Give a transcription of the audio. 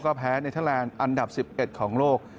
ก็แพ้ในทะลานอันดับ๑๑ของโลก